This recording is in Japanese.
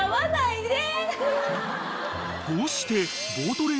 ［こうして］